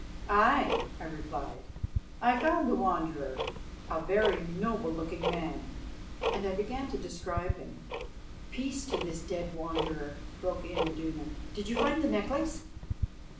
"Aye," I replied. "I found the Wanderer, a very noble looking man," and I began to describe him. "Peace to this dead Wanderer," broke in Iduna. "Did you find the necklace?"